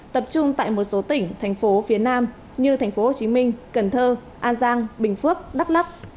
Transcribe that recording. tập trung tại một số tỉnh thành phố phía nam như thành phố hồ chí minh cần thơ an giang bình phước đắk lắc